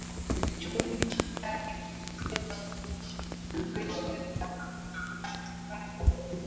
Uchumi shindani unaongeza viwango vya maisha vya Wazanzibari